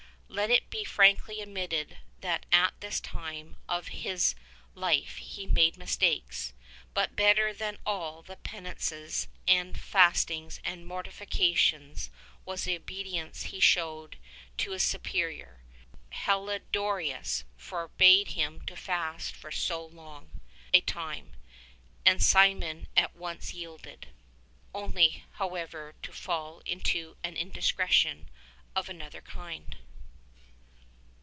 Let it be frankly admitted that at this time of his life he made mistakes; but better than all the penances and fastings and mortifications was the obedience he showed to his Superior. Heliodorus forbade him to fast for sO' long a time, and Simeon at once yielded — only however to fall into an indiscretion of another kind.